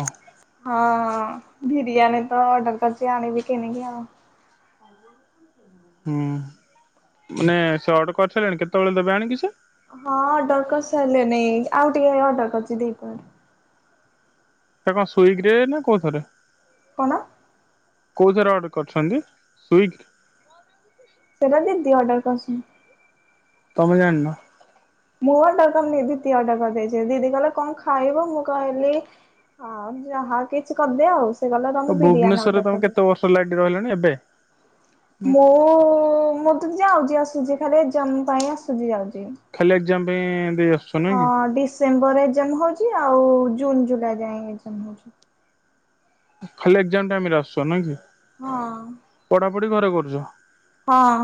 ଓ ହଁ ବିରିୟାନୀ ତ ଅର୍ଡର କରଛି ଆଣିବି କିଣିକି ଆଉ। [unintelligible] ହୁଁ ମାନେ ସେ ଅର୍ଡର କରିସାରିଲାଣି କେତେବେଳେ ଦେବେ ଆଣିକି ସେ? ହଁ ଅର୍ଡର କରିସାଇଲେ ନେଇ ଆଉ ଟିକେ ଅର୍ଡର କରିଚି ଦ୍ୱିପହରେ। ଏଟା କଣ ସୁଇଗ୍ରେ ନା କଉଥରେ? କଣ? କୋଉଁଥିରେ ଅର୍ଡ଼ର କରିଛନ୍ତି? ସ୍ଵିଗ୍ ସେଟା ଦିଦି ଅର୍ଡ଼ର କରିସନି। ତମେ ଜାଣିନ? ମୁଁ ଆଡର କରିନି ଦିଦି ଆଡର କରିଦେଇଛି ଦିଦି କହିଲା କଣ ଖାଇବ ମୁଁ କହିଲି ଆ ଯାହା କିଛି କରିଦିଅ ଆଉ ସେ କହିଲା ରହ ମୁ ବିରିୟାନୀ ଅର୍ଡର କରିଦଊଛି। [unintelligible] ରହିଲେଣି ଏବେ। ମୋ ମୁଁ ତ ଯାଉଛି ଆସୁଛି ଖାଲି ଏକ୍ସାମ୍ ପାଇଁ ଆସୁଛି ଯାଉଛି। ଖାଲି ଏକ୍ଜାମ ପାଇଁ ଦେଇ ଆସୁଚ। ହଁ ଡିସେମ୍ବରରେ ଏକ୍ଜାମ ହଉଛି ଆଉ ଜୁନ, ଜୁଲାଇ ଯାଏ ଏକ୍ଜାମ ହଉଛି। ଖାଲି ଏକ୍ଜାମ ଟାଇମରେ ଆସୁଛ ନା କି? ହଁ। ପଢାପଢି ଘରେ କରୁଚ। ହଁ।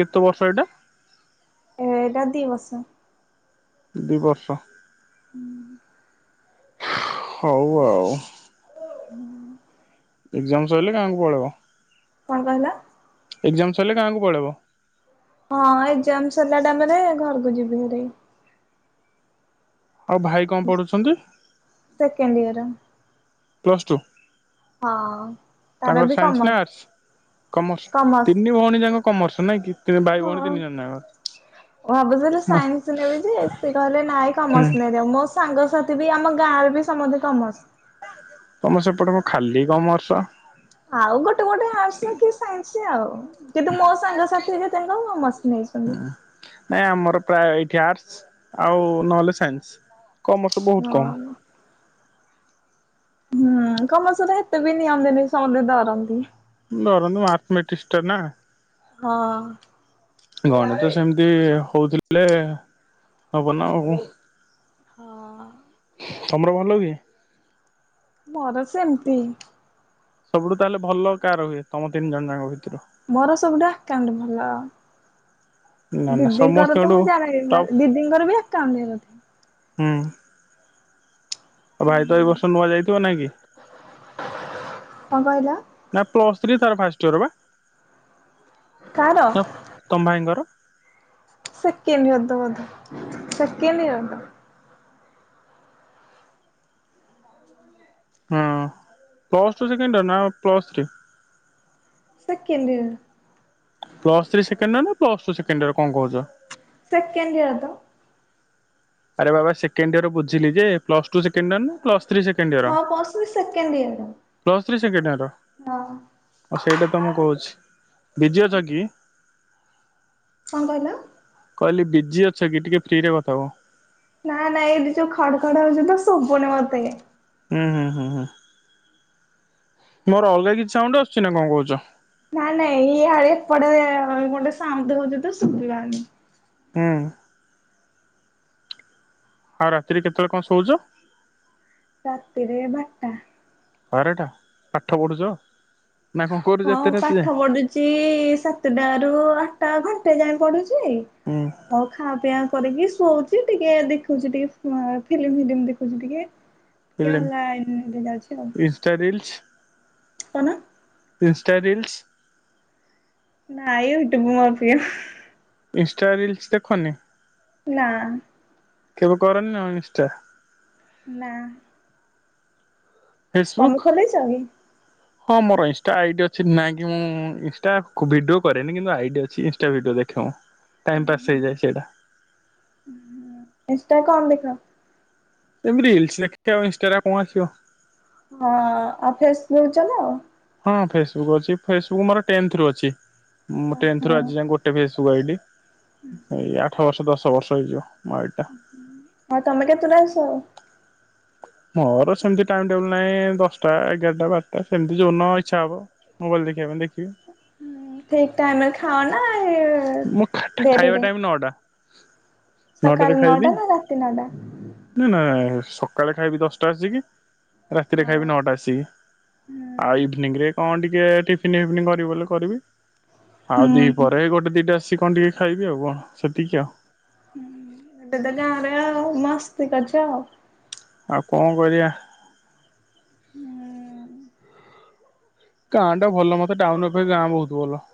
କେତେ ବର୍ଷ ଏଇଟା? ଏଇଟା ଦି ବର୍ଷ। ଦି ବର୍ଷ। ହୁଁ। ହଉ ଆଉ। ହୁଁ। ଏକ୍ଜାମ ସରିଲେ ଗାଆଁ କୁ ପଳେଇବ? କଣ କହିଲ? ଏକ୍ଜାମ ସରିଲେ ଗାଆଁ କୁ ପଳେଇବ। ହଁ ଏକଜାମ୍ ସରିଲା ଟାଇମ୍ ରେ ଘରକୁ ଯିବି ଭାରି। ଆଉ ଭାଇ କଣ ପଢୁଛନ୍ତି? Second year. Plus two. ହଁ ତାର ତାଙ୍କର ବି ସାଇନ୍ସ ନା କମର୍ସ ଆର୍ଟସ କମର୍ସ ତିନି ଭଉଣୀ ଯାଙ୍କ କମର୍ସ ନାଇଁ କିି ଭାଇ ଭଉଣୀ ତିନି ଜଣ ନାକ। ମୁଁ ଭାବୁଥିଲି ସାଇନ୍ସ ନେବି ଯେ ସେ କହିଲେ ନାଇଁ ହୁଁ କମର୍ସ ନେ଼ଇ ଜା ସ ସାଙ୍ଗସାଥି ବି ଆମ ଗାଁରେ ବି ସମସ୍ତେ କମର୍ସ। ତମ ସେପଟେ କଣ ଖାଲି କମର୍ସ। ଆଉ ଗୋଟେ ଗୋଟେ ଆର୍ଟସ କି ସାଇନ୍ସ ଆଉ। କିନ୍ତୁ ମୋ ସାଙ୍ଗସାଥି ଜେ ତାଙ୍କ କମର୍ସ ନେଇଛନ୍ତି। ନାଇଁ ଆମର ପ୍ରାୟ ଏଇଠି ଆର୍ଟସ୍ ଆଉ ନ ହେଲେ ସାଇନ୍ସ କମର୍ସ ବହୁତ କମ୍। ହଁ। ହୁଁ କମର୍ସ ଟା ହେତେ ବି ନିଅନ୍ତିନି ସମସ୍ତେ ଡରନ୍ତି। ଡରନ୍ତି ମାର୍ଥମେଟିଷ୍ଟ ଟା ନା। ହଁ। ଗଣିତ ସେମିତି ହୋଉଥିଲେ ହବ ନା ଆଉ। ହଁ। ତମର ଭଲ ହୁଏ? ମୋର ସେମିତି। ସବୁଠୁ ତାହେଲେ ଭଲ କାର ହୁଏ ତମ ତିନି ଜଣ ଯାଙ୍କ ଭିତରୁ? ମୋର ସବୁଠୁ ଆକାଉଣ୍ଟ ଭଲ। ନା ନା ଦିଦିଙ୍କର ତ ସମସ୍ତଙ୍କଠୁ ମୁଁ ଜାଣିନି ଟପ୍ ଦିଦିଙ୍କର ବି ଆକାଉଣ୍ଟ ଟା ବୋଧେ। ହୁଁ। ଆଉ ଭାଇ ତ ଏ ବର୍ଷ ନୂଆ ଯାଇଥିବ ନାଇଁ କି? କଣ କହିଲ ନା ପ୍ଲସ୍ ଥ୍ରୀ ତାର ଫାଷ୍ଟ ଇୟର ବା କାର ନା ତମ ଭାଇ ଙ୍କର। ସେକେଣ୍ଡ ୟିଅର ତ ବୋଧେ ସେକେଣ୍ଡ ୟିଅର। [unintelligible] ହଁ ପ୍ଲସ୍ ଟୁ ସେକେଣ୍ଡ ୟିଅର ନା plus three? Second year. Plus three second year ନା ପ୍ଲସ୍ ଟୁ ସେକେଣ୍ଡୟିଅର କଣ କହୁଛ? ସେକେଣ୍ଡୟିଅର ତ। ଆରେ ବାବା ସେକଣ୍ଡୟିଅର ବୁଝିଲି ଯେ ପ୍ଲସ୍ ଟୁ ସେକେଣ୍ଡ ୟିଅର ନା ପ୍ଲସ୍ ଥ୍ରୀ ହଁ ପ୍ଲସ୍‌ଥ୍ରୀ ସେକେଣ୍ଡୟିଅର। Plus three second year. ହଁ। ଆଉ ସେଇଟା ତ ମୁଁ କହୁଛି ବିଜି ଅଛ କି? କଣ କହିଲ? କହିଲି ବିଜି ଅଛ କି ଟିକେ ଫ୍ରି ରେ କଥା ହୁଅ। ନା ନାଇଁ ଏଇଠି ଯୋଉ ଖାଡୁ ଖାଡୁ ହଉଛି ତ ଶୁବୁନି ମତେ। ହୁଁ ହୁଁ ହୁଁ ହୁଁ। ମୋର ଅଲଗା କିଛି ସାଉଣ୍ଡ୍ ଆସୁଛି ନା କଣ କହୁଛ? ନାଇଁ ନାଇଁ ଇଆଡେ ଏପଟେ ଗୋଟେ ଶାଉଣ୍ଡ୍ ହଉଚି ତ ଶୁଭିଲାନି। ହୁଁ। ଆଉ ରାତିରେ କେତଳେ କଣ ଶୋଉଚ? ରାତିିରେ ବାରଟା। ବାରଟା ପାଠ ପଢୁଛ ନା କଣ କରୁଛ ଏତେ ରାତି ଯାଏଁ? ଚି ସାତଟାରୁ ଆଟା ଘଣ୍ଟେ ଯାଏଁ ପଢୁଚି ହୁଁ। ହଉ ଖାଆ ପିଆ କରିକି ଶୋଉଛି ଟିକେ ଦେଖୁଛି ଟିକେ ଫିଲ୍ମ ଫିଲ୍ମ ଦେଖୁଛି ଟିକେ। [unintelligible] ଟିକିଏ ଅନଲାଇନରେ ଯାଉଛି ଆଉ। ଇଣ୍ଟା ରିଲ୍ସ୍? କଣ? Insta reels. ନାଇଁ ୟୁଟ୍ୟୁବ ମୋ ପ୍ରିୟ। Insta reels ଦେଖନି? ନାଁ। କେବେ କରନି ନା ଇନ୍ସଷ୍ଟା? ନାଁ। ଫେସବୁକ୍? ଖୋଲିଛ କି? ହଁ ମୋର ଇନଷ୍ଟା ଆଇଡ଼ି ଅଛି ନାଇଁକି ମୁଁ ଇନଷ୍ଟା ଭିଡ଼ିଓ କରେନି କିନ୍ତୁ ଆଇଡ଼ି ଅଛି ଇନଷ୍ଟା ଭିଡ଼ିଓ ଦେ ଖେ ଟାଇମ୍ ପାସ୍ ହେଇଯାଏ ସେଇଟା। ହୁଁ ଇନ୍ସଷ୍ଟା କଣ ଦେଖ? ଏମିତି ରିଲସ୍ ଦେଖିକି ଆଉ ଇନଷ୍ଟାରେ ଆଉ କଣ ଆସିବ? ହଁ ଆଉ ଫେସବୁକ୍ ଚଲାଅ? ହଁ ଫେସବୁକ୍ ଅଛି ଫେସବୁକ୍ ମୋର ଟେନ୍ଥରୁ ଅଛି ମୁ ଟେନ୍ଥରୁ ଓହୋ ଆଜି ଯାଏ ଗୋଟେ ଫେସ ଫେସ ବୁକ୍ ଆଇଡି ଏଇ ଆଠ ବର୍ଷ ଦଶ ବର୍ଷ ହେଇଯିବ ମୋ ଆଇଡି। ହଁ ତମେ କେତୁଟାରେ ସୁଅ? ମୋର ସେମିତି ଟାଇମ୍ ଟେବୁଲ ନାଇଁ ଦଶଟା ଏଗାରଟା ବାରଟା ସେମିତି ଯଉଇନ ଇଚ୍ଛା ହବ। ମୋବାଇଲ ଦେଖିବା ପାଇଁ ଦେଖିବି। ଠିକ୍ ଟାଇମ୍ ରେ ଖାଅ ନା ଇଏ ମୁଁ ଖା ଖାଇବା ଟାଇମ୍ ନଅଟା ସକାଳ ନଅଟାରେ ଖାଇବି ନଅଟା ନା ରାତି ନଅଟା? ନାଏ ସକାଳେ ଖାଇବି ଦଶଟାସିକି ରାତିରେ ହଁ ଖାଇବି ନଅଟା ଏସିକି ଆଉ ଇଭିନିଂ ରେ କଣ ଟିକେ ଟିପ ଟିଫିନ୍ ଫିପିନ୍ କରିବି ବୋଲେ କରିବି ଆଉ ଦିହି ହୁଁ। ପହରେ ଗୋଟେ ଦିଟା ଆସିକି କଣ ଟିକେ ଖାଇବି ଆଉ କଣ ସେତିକି ଆଉ। ହୁଁ, ହୁଁ ଏବେ ତ ଗାଁରେ ଆଉ ମସ୍ତି କରଛ ଆଉ। ଆଉ କଣ କରିବା? ହୁଁ। ଗାଁ ଟା ଭଲ ମତେ ଟାଉନ ଅପେକ୍ଷା ଗାଁ ବହୁତ ଭଲ।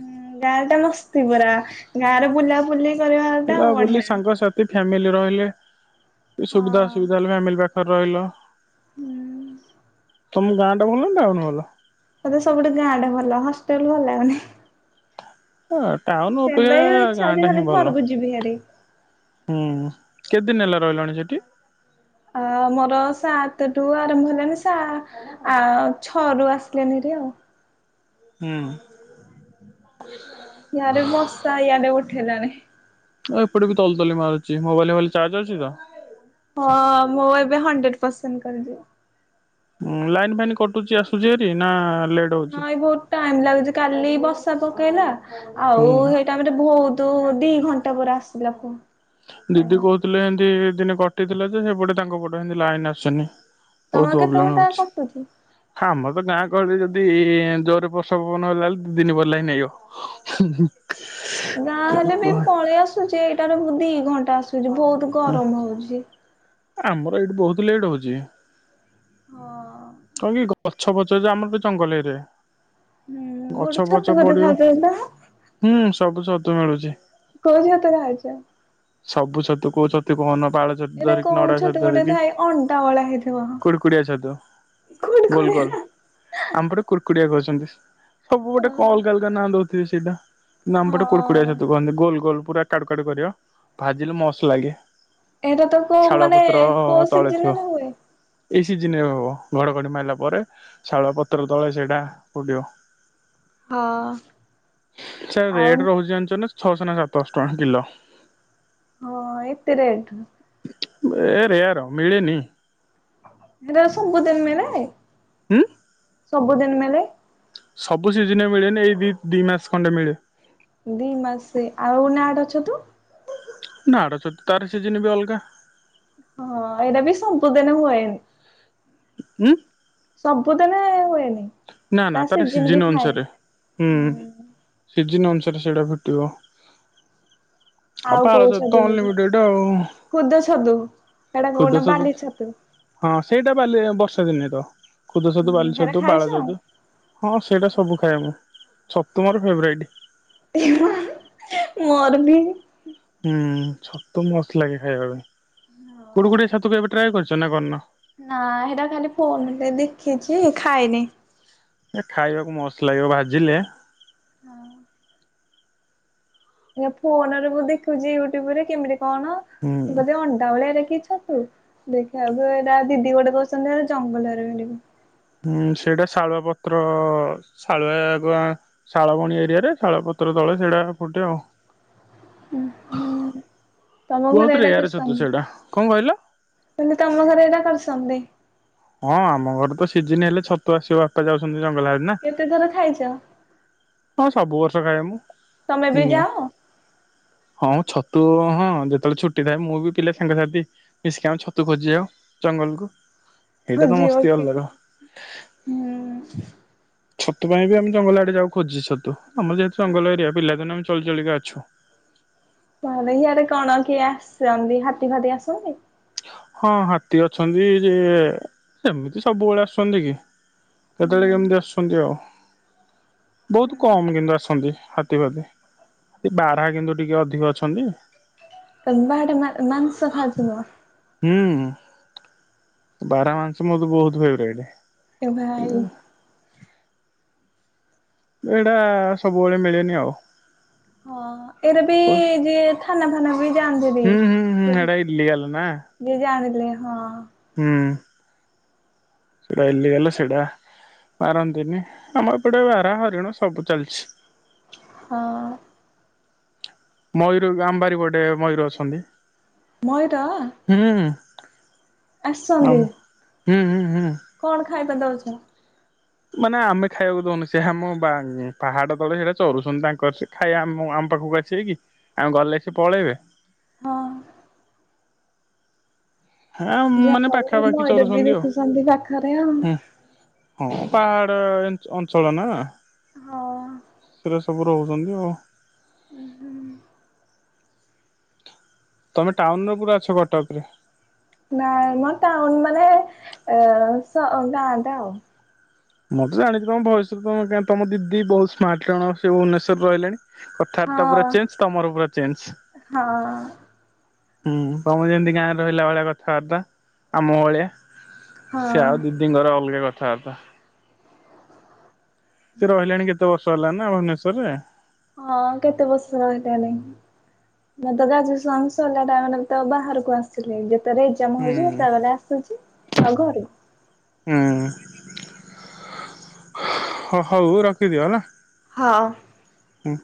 ହୁଁ ଗାଁ ଟା ମସ୍ତି ପୁରା ଗାଁରେ ବୁଲା ବୁଲି କରିବାଟା ବଢିଆ। ଏ ଫ୍ୟାମିଲି ରହିଲେ ହଁ ସୁବିଧା ଅସୁବିଧା ହେଲେ ଫାମିଲ ପାଖରେ ରହିଲ। ହୁଁ। ତମକୁ ଗାଁଟା ଭଲନାଁ ଟାଉନ ଭଲ? ମତେ ସବୁଠୁ ଗାଁଟା ଭଲ ହଷ୍ଟେଲ ଭଲଲଗୁନି। ଅ ଟାଉନ ସେଥିପାଇଁ ଅପକ୍ଷା ଇଚ୍ଛା ହଉଛି ଗାଁଟା ହିଁ ଖାଲି ଭଲ। ଘରକୁ ଯିବି ହାରି। ହୁଁ କେତେ ଦିନ ହେଲା ରହିଲଣି ସେଠି। ଆ ମୋର ସାତଠୁ ଆରମ୍ଭ ହେଲାଣିି ସା ଆ ଛଅ ରୁ ଆସିଲେନି ରେ ଆଉ। ହୁଁ। ୟାରେ ବସା ୟାଡେ ଉଠେଇଲାଣି। ହଁ ଏପଟେ ବି ତଲ ତଲି ମାରୁଚି ମୋବାଇଲ ଫୋବାଇଲ ଚାର୍ଜ ଅଛି ତ। ହଁ ମୁଁ ଏବେ ହଣ୍ଡ୍ରେଡ ପରସେଣ୍ଟ କରିିଦେ ଉଁ ଲାଇନ୍ ଫାଇନ୍ କଟୁଚି ଆସୁଚି ହାରି ନା ଲେ ନାଇ ଭୋଉ ଟାଇମ ଲାଗୁଛି କାଲି ବସା ପକେଇଲା ଆଉ ହୁଁ। ହେ [unintelligible] ବହୁତ ଦି ଘଣ୍ଟା ପରେ ଆସିଲା ପ ଦିଦି କହୁଥିଲେ ଏମତି ଦିନେ କଟିଥିଲା ଯେ ସେପଟେ ତାଙ୍କ ପଟ ଏମତି ଲାଇନ ଆସୁନି। ବହୁତ ତମର କେତେ ପ୍ରୋବ୍ଲେମ ଘଣ୍ଟା ହୋଉଚି କଟୁଛି? ଆମର ତ ଗାଁ ଗହଳି ଯଦି ଜୋର ବ ର୍ଷା ପବନ ହେଲା ହେଲେ ଦି ଦିନ ପରେ ନେଇବ [unintelligible] ଆସୁଚି ଏଇଟାର ମୁ ଦି ଘଣ୍ଟା ଆସୁଚି ବହୁତ ଗରମ ହଉଚି। ଆମର ଏଇଠି ବହୁତ ଲେଟ୍ ହଉଚି। ହଁ। କଣ କି ଗଛ ଫଛ ଯେ ଆମରେ ଜଙ୍ଗଲ ଏରେ ହୁଁ ଗୋଟେ ଗଛ ଛତୁ ପଛ ଫତୁ ପଡିବ ଖାଉଛ ତ ହୁଁ ସବୁ ସତୁ ମିଳୁଚି। କୋଉ ଛତୁ ଖାଉଚ୍ଚ। ସବୁ ଛତୁ କୋଉ ଛତୁ କୁହନ ପାଳ ଛତ ଏଇଟା କୋଉ ଛତୁ ଗୋଟେ ଥାଏ ଅଣ୍ଡା ବାଳା ହେଇଥିବ। କୁଡକୁଡିଆ ଛତୁ ଗୋଲ ଖୁଡିଆ ଗୋଲ ଆମପଟେ କୁର୍କୁଡିଆ କହୁଛନ୍ତି ସବୁ ଗୋଟେ କ ହଁ ଅଲଗା ଲ ଅଲଗା ନାଁ ଦୋଉଚି ସେଇଟା କିନ୍ତୁ ଆମ ପଟେ କୁର୍କୁ କୁଡ଼ିଆ ଛତୁ କହନ୍ତି ଗୋଲ ଗୋଲ ପୁରା କାଡୁ କାଡୁ କରିବ ଭାଜିଲେ ମଶ୍ ଲାଗେ। ଏଇଟା ତ କୋଉ ଶାଳୁଆ ମାନେ ପତ୍ର କୋଉ ତଳେ ଥିବ। ସିଜିନେରେ ହୁଏ। ଏଇ ସିଜିନେ ହବ ଘଡଘଡି ମାଇଲା ପରେ ଶାଳ ପତ୍ର ତଳେ ସେଇଟା ଫୁଟିବ। ହଁ [inaudible] ସେରା ଆଉ ରେଟ ରହୁଛି ଜାଣିଚ ନା ଛଅଶହ ନା ସାତଶ ଟଙ୍କା କିଲ। ହଁ ଏତେ ରେଟ୍। ବେ ରେୟାର ମିଳେନି। ଏରା ସବୁଦିନ ମିଳେ। ହୁଁ। ସବୁଦିନ ମିଳେ। ସବୁ ସିଜିନରେ ମିଳେନି ଏଇ ଦି ଦି ମାସ ଖଣ୍ଡେ ମିଳେ। ଦି ମାସ ଆଉ ନାଡ ଛତୁ। ନାଡଛତୁ ତାର ସିଜିନ ବି ଅଲଗା। ହଁ ଏଇଟା ବି ସମ୍ପୁ ଦିନ ହୁଏନି। ହୁଁ। ସବୁଦିନେ ହୁଏନି। ନା ନା ତା ତାର ସିଜିନ ବି ସିଜିନ୍ ଥାଏ ଅନୁସାରେ ହୁଁ ସିଜିନ୍ ଅନୁସାରେ ସେଇଟା ଫୁଟିବ। ଆଉ ପାଳ ଛତୁ ତ ଅନଲିମିଟେଡ ଆଉ ଖୁଦ ଛତୁ ହେଟା କହୁନ ଖୁଦ ଛତୁ ବାଲି ହଁ ସେଇଟା ବାଲି ବର୍ଷା ଦିନେ ତ କୁଦୁ ଛତୁ ବାଲି ହେରା ଛତୁ ଖାଇଛ? ପାଳ ଛତୁ ହଁ ସେଇଟା ସବୁ ଖାଏ ମୁଁ ଛତୁ ମୋର ଫେବରାଇଟ୍। ମୋର ବି ହୁଁ ଛତୁ ମସ୍ତ ଲାଗେ ଖାଇବା ପାଇଁ କୁଡୁ କୁଡେ଼ ଛତୁ କେବେ ଟ୍ରାଏ କରିଚ ନା କରୀନ। ନା ହେଟା ଖାଲି ଫୋନରେ ଦେଖିଛି ଖାଇନି। ଏ ଖାଇବାକୁ ମସ୍ତ ଲାଗିବ ଭାଜିଲେ। ହଁ। ଏ ଫୋନରେ ମୁଁ ଦେଖୁଚି ୟୁଟ୍ୟୁବରେ କେମିତି କଣ ହୁଁ। ବୋଧେ ଅଣ୍ଡା ଭଳିଆ ଦେଖିଛ। ହୋଉ ଦେଖିବା [unintelligible] ଆଗୁରୁ ଏଟା ଦିଦି ଗୋଟେ କୋହୁଚନ୍ତି ଯେ ଜଙ୍ଗଲରେ ମିବିିବ। ହୁଁ ସେଟା ଶାଳୁଆ ପତ୍ର ଶାଳୁଆ ବ ଶାଳବଣୀ ଏରିଆରେ ଶାଳପତ୍ର ତଳେ ସେଇଡା ଫୁଟେ ଆଉ। ତମ ଘରେ ବୋହୁତ ଏଇଟା ରେୟାର ଛତୁ ସେଉଡା। କଣ କହିଲ? କିନ୍ତୁ ତମ ଘରେ ଏଇଟା କରିଚନ୍ତି। ହଁ ଆମ ଘର ତ ସିଜିନ ହେଲେ ଛତୁ ଆସିବ ବାପା ଯାଉଚନ୍ତି ଜଙ୍ଗଲ ଆଡେ ନା। କେତେ ଥର ଖାଇଚ? ହଁ ସବୁ ବର୍ଷ ଖାଇ ମୁ ତମେ ବି ମିନ୍ୟ ଯାଅ ହଁ ଛତୁ ହଁ ଯେତେବେଳେ ଛୁଟି ଥାଏ। ମୁଁ ବି ପିଲା ସାଙ୍ଗସାଥି ମିଶିକି ଆମେ ଛତୁ ଖୋଜି ଜାଉ ଜଙ୍ଗଲ କୁ। ଖୋଜିିବ କି ହୁଁ। ଛତୁ ପାଇଁ ବି ଆମ ଜଙ୍ଗଲ ଆଡେ ଯାଉ ଖୋଜି ଛତୁ। ଆମର ଯେହେତୁ ଜଙ୍ଗଲ ଏରିଆ ପିଲାଦିନୁ ଆମେ ଚଳି ଚଳିକା ଅଛୁ। [unintelligible] ଇଆଡ କଣ କିଏ ଆସନ୍ତି ହାତୀ ଫାତି ଆସନ୍ତି? ହଁ ହାତୀ ଅଛନ୍ତି ଯେ ସେମିତି ସବୁବେଳେ ଆସନ୍ତି କି। କେତେବେଳେ ହୁଁ କେମିତି ଆସୁଚନ୍ତି ଆଉ ବୋହୁତ କମ୍ କିନ୍ତୁ ଆସନ୍ତି ହା ତୀ ଫାତୀ ବାରାହା କିନ୍ତୁ ଟିକେ ଅଧିକ ଅଛନ୍ତି। ବାରାହା ମା-ମାଂସ ଖାଉଥିବ। ହୁଁ ବାରହା ମାଂସ ମୋତେ ବୋହୁତ ଫେବରାଇଟ୍। ଏ ଭାଇ। ଏଇଡା ସବୁବେଳେ ମିଳେନି ଆଉ। ହଁ ଏଇରା ବି ହୁଁ ଯି ଥାନା ଫାନା ବି ଜାଆନ୍ତିନି। ହୁଁ ହୁଁ ହେଡା ଇଲିଗାଲ୍ ନା। ଯିଏ ଜାଣିଲି ହଁ। ହୁଁ। ସେଟା ଇଲିଗାଲ୍ ସେଟା ମାରନ୍ତିନି। ଆମ ଏପଟେ ବାରାହା ହରିଣ ସବୁ ଚାଲିଚି। ହଁ। ମୟୂର ଆମ ବାରି ପଟେ ମୟୂର ଅଛନ୍ତି। ମୟୁର ହୁଁ। ଆମ ଆସନ୍ତି। ହୁଁ ହୁଁ ହୁଁ। କଣ ଖାଇବା ଦୋଉଚ? ମାନେ ଆମେ ଖାଇବାକୁ ଦୋଉନୁ ସେ ଆମଃ ପାହାଡ ତଳେ ସେରା ଚରୁୁଚନ୍ତି ତାଙ୍କର ସେ ଖାଇବା ଆମ ଆମ ପାଖକୁ ଆସିବେ କିି ଆମେ ଗଲେ ସେ ପଳେଇବେ। ହଁ। ହଁ ମାନେ ଯାହା ହଉ ପାଖାପାଖି ମୟୂର ବି ଚରୁଚନ୍ତି ଆଉ ଦେଖୁଛନ୍ତି ପାଖରେ ଆଉ। ହୁଁ। ହଁ ପାହାଡ ଅ-ଅଞ୍ଚଳ ନା। ହଁ। ସେ ସବୁ ରହୁଚନ୍ତି ଆଉ। ହୁଁ ହୁଁ। ତମେ ଟାଉନ୍ ରେ ପୁରା ଅଛ କଟକରେ। ନାଇଁ ମଁ ଟାଉନ୍ ମାନେ ଏ ସ‌ଅ ଗାଁଟା ଆଉ। ମୁଁ ତ ଜାଣିଛି ତମ ଭଏସରୁ ତମ ଦିଦି ବହୁତ ସ୍ମାର୍ଟ ଜଣ ସେ ଭୁବନେଶ୍ୱରରେ ରହିଲେଣି। କଥାବାର୍ତ୍ତା ପୁରା ହଁ ଚେଞ୍ଜ ତମର ପୁରା ଚେଞ୍ଜ। ହଁ ହୁଁ ତମର ଯେମତି ଗାଁରେ ରହିଲା ଭଳିଆ କଥାବାର୍ତ୍ତା ଆମ ଭଳିଆ। ସେ ହଁ। ଆଉ ଦିଦିଙ୍କର ଅଲଗା କଥାବାର୍ତ୍ତା। ସେ ରହିଲେଣି କେତେ ବର୍ଷ ହେଲା ନା ଭୁବନେଶ୍ୱରରେ। ହଁ କେତେ ବର୍ଷ ରହିଲାନାହି। ମୁଁ ତ ଗ୍ରାଜୁଏସନ ସରିଲା ଟାଇମ୍ ରେ ତ ବାହାରକୁ ଆସିଲେ ଯେତେ ରେଜ୍। ତମ ହୁଁ ହଉଛି ରୂପା ବାଲା ଆସୁଛି ଆଉ ଘରକୁ। ହୁଁ ହ ହଉ ରଖିଦିଅ ହେଲା। ହଁ ଉଁ